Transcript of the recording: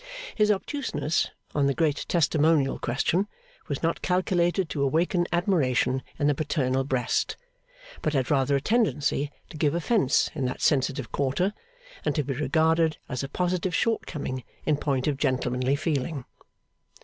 His obtuseness on the great Testimonial question was not calculated to awaken admiration in the paternal breast, but had rather a tendency to give offence in that sensitive quarter, and to be regarded as a positive shortcoming in point of gentlemanly feeling.